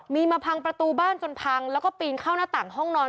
มีมาพังประตูบ้านจนพังแล้วก็ปีนเข้าหน้าต่างห้องนอน